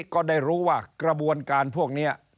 ก็ได้รู้ว่ากระบวนการพวกนี้